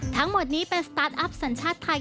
ทั้งหมดนี้เป็นสตาร์ทอัพสัญชาติไทย